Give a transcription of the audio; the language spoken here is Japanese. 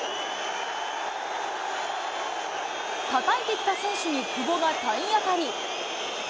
たたいてきた選手に、久保が体当たり。